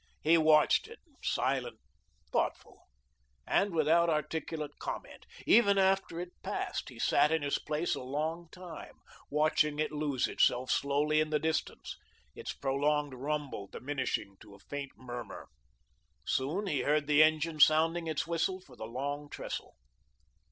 He watched it, silent, thoughtful, and without articulate comment. Even after it passed he sat in his place a long time, watching it lose itself slowly in the distance, its prolonged rumble diminishing to a faint murmur. Soon he heard the engine sounding its whistle for the Long Trestle.